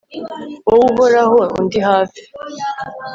wowe, uhoraho, undi hafi